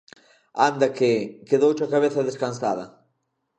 Anda que, quedouche a cabeza descansada!